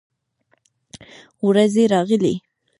ورېځې راغلې